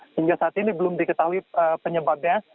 hingga saat ini belum diketahui penyebabnya